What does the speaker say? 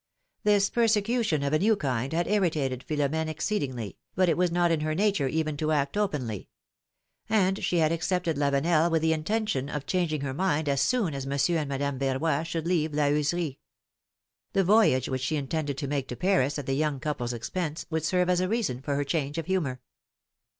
" This persecution of a new kind had irritated Philom^ne exceedingly, but it was not in her nature even to act openly; and she had accepted Lavenel with the intention of chang ing her mind as soon as Monsieur and Madame Verroy should leave La Heuserie. The voyage which she intended to make to Paris at the young couple's expense would serve as a reason for her change of humor.